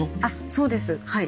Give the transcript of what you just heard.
そうですはい。